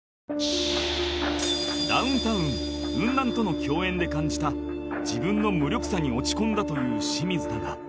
ダウンタウンウンナンとの共演で感じた自分の無力さに落ち込んだという清水だが